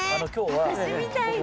私みたいな。